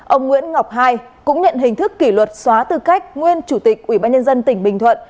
ông nguyễn ngọc hai cũng nhận hình thức kỷ luật xóa tư cách nguyên chủ tịch ubnd tỉnh bình thuận